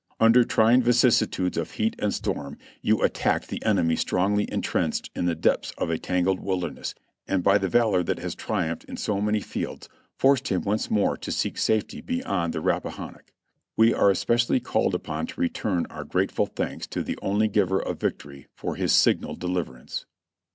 ''Under trying vicissitudes of heat and storm you attacked the enemy strongly entrenched in the depths of a tangled wilderness, and by the valor that has triumphed in so many fields forced him once more to seek safety beyond the Rappahannock. "We are especially called upon to return our grateful thanks to the only Giver of Victory for his signal deliverance.